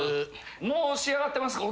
もう仕上がってますか？